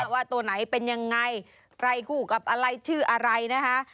ว่าตัวไหนเป็นยังไงใครคู่กับอะไรชื่ออะไรนะคะ